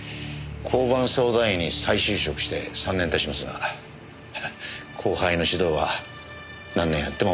交番相談員に再就職して３年経ちますが後輩の指導は何年やっても難しいものですな。